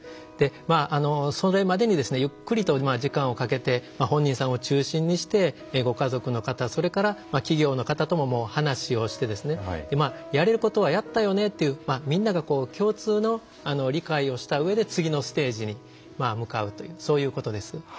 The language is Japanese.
それまでにゆっくりと時間をかけて本人さんを中心にしてご家族の方それから企業の方とも話をしてやれることはやったよねっていうみんなが共通の理解をしたうえで次のステージに向かうというそういうことです。